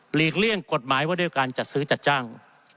เลี่ยงกฎหมายว่าด้วยการจัดซื้อจัดจ้าง